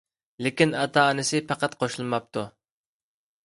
لېكىن ئاتا-ئانىسى پەقەت قوشۇلماپتۇ.